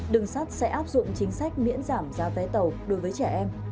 đường sắt sẽ áp dụng chính sách miễn giảm giá vé tàu đối với trẻ em